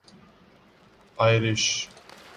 Irish